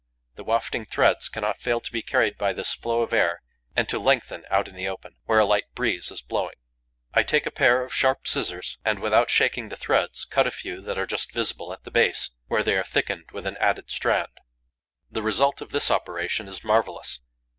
The wafting threads cannot fail to be carried by this flow of air and to lengthen out in the open, where a light breeze is blowing. I take a pair of sharp scissors and, without shaking the threads, cut a few that are just visible at the base, where they are thickened with an added strand. The result of this operation is marvellous.